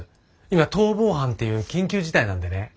今逃亡犯っていう緊急事態なんでね。